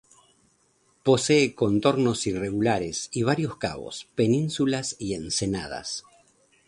Posee contornos irregulares y varios cabos, penínsulas y ensenadas.